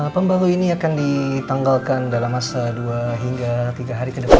pembahu ini akan ditanggalkan dalam masa dua hingga tiga hari ke depan